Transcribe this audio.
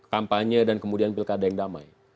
kampanye dan kemudian pilkada yang damai